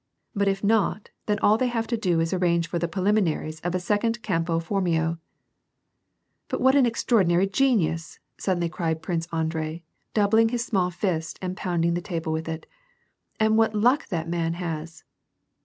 But if not, then all they have to do is arrange for the preliminaries of a second Campo Formio." "But what an extraordinary genius," suddenly cried Prince Andrei, doubling his small fist and pounding the table with it. "And what luck that man has